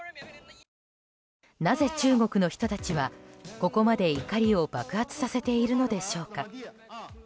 なぜ中国の人たちはここまで怒りを爆発させているのでしょうか。